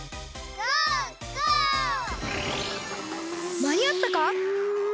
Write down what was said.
まにあったか！？